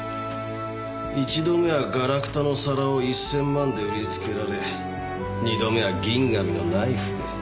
１度目はガラクタの皿を１０００万で売りつけられ２度目は銀紙のナイフで。